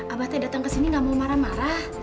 abah tia datang ke sini nggak mau marah marah